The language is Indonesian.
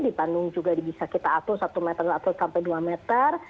di bandung juga bisa kita atur satu meter atau sampai dua meter